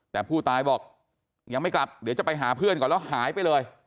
แต่ผู้ตายบอกยังไม่กลับเดี๋ยวจะไปหาเพื่อนก่อนแล้วหายไปเลย